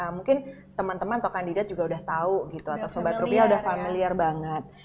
nah mungkin teman teman atau kandidat juga udah tahu gitu atau sobat rupiah udah familiar banget